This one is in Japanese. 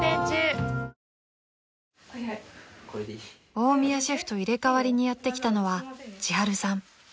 ［大宮シェフと入れ替わりにやって来たのはちはるさん］